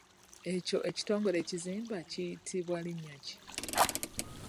Ekyo ekitongole ekizimba kiyitibwa linnya ki?